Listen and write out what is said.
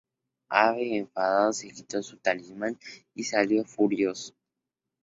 Abe, enfadado, se quitó su talismán y salió furioso.